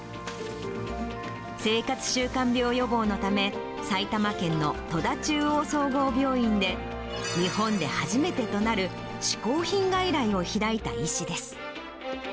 生活習慣病予防のため、埼玉県の戸田中央総合病院で、日本で初めてとなる嗜好品外来を開いた医師です。